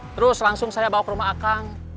terus langsung saya bawa ke rumah a kang